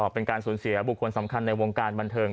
เป็นการสูญเสียบุคคลสำคัญในวงการบันเทิง